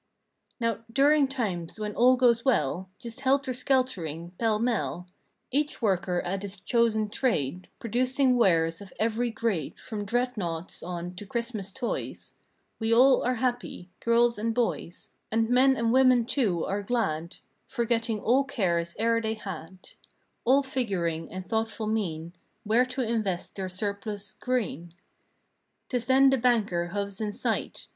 Now during times when all goes well— Just helter skeltering, pell mell— Each worker at his chosen trade Producing wares of every grade From dreadnaughts on to Christmas toys— We all are happy—girls and boys— And men and women too, are glad; Forgetting all cares e'er they had; All figuring in thoughtful mien Where to invest their surplus "Green." 'Tis then the banker hoves in sight.